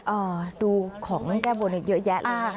อ่าดูของแก้บบนอีกเยอะแยะเลย